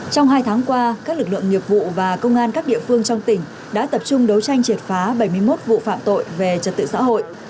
trong hai tháng qua các lực lượng nghiệp vụ và công an các địa phương trong tỉnh đã tập trung đấu tranh triệt phá bảy mươi một vụ phạm tội về trật tự xã hội